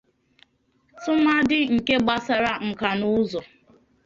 tụmadị nke gbasara nkanaụzụ